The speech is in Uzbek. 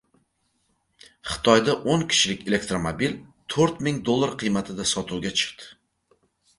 Xitoyda o'n kishilik elektromobil to'rt ming dollar qiymatida sotuvga chiqdi